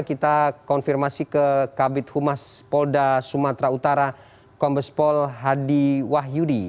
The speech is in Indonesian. kita konfirmasi ke kabit humas polda sumatera utara kombespol hadi wahyudi